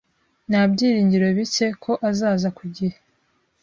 Nta byiringiro bike ko azaza ku gihe